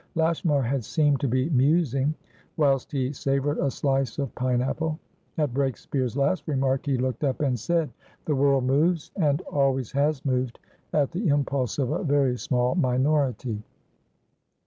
Lashmar had seemed to be musing whilst he savoured a slice of pine apple. At Breakspeare's last remark, he looked up and said: "The world moves, and always has moved, at the impulse of a very small minority."